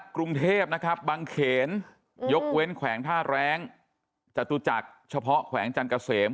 กรุงเทพนะครับบังเขนยกเว้นแขวงท่าแรงจตุจักรเฉพาะแขวงจันเกษม